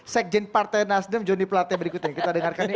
sekjen partai nasdem joni plata berikutnya kita dengarkan ya